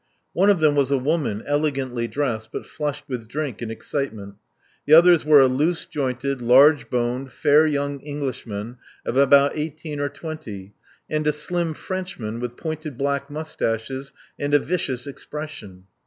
One of them was a woman, elegantly dressed, but flushed with drink and excitement. The others were a loose jointed, large boned, fair young Englishman of about eighteen or twenty, and a slim Frenchman with pointed black moustaches and a vicious expression.